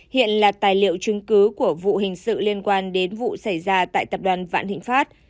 hiện là tài liệu chứng cứ của vụ hình sự liên quan đến vụ xảy ra tại tập đoàn vạn thịnh pháp